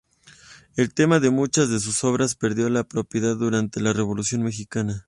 El tema de muchas de sus obras, perdió la propiedad durante la Revolución Mexicana.